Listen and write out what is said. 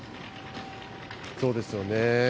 そうですよね。